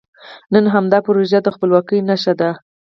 نن همدا پروژه د خپلواکۍ نښه ده.